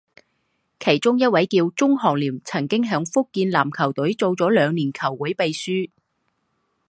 其中一位叫钟行廉曾在福建篮球队做了两年球会秘书。